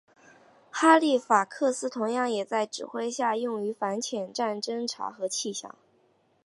哈利法克斯同样也在的指挥下用于反潜战侦察和气象。